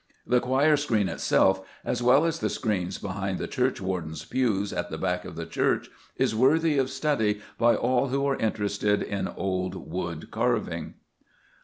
The choir screen itself, as well as the screen behind the churchwardens' pews at the back of the church, is worthy of study by all who are interested in old wood carving.